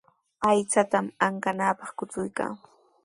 Aychatami ankananpaq kuchuykan.